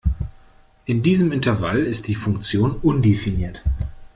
In diesem Intervall ist die Funktion undefiniert.